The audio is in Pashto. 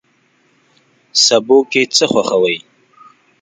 سبو کی څه خوښوئ؟